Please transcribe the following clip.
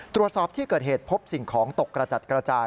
ตรวจสอบที่เกิดเหตุพบสิ่งของตกกระจัดกระจาย